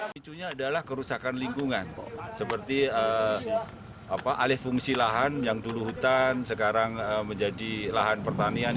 picunya adalah kerusakan lingkungan seperti alih fungsi lahan yang dulu hutan sekarang menjadi lahan pertanian